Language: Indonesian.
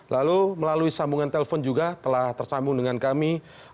lalu melalui sambungan telpon juga telah tersambung dengan kami